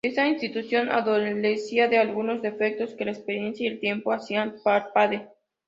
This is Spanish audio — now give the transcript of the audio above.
Esta institución adolecía de algunos defectos que la experiencia y el tiempo hacían palpable.